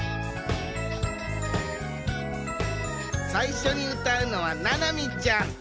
さいしょにうたうのはななみちゃん。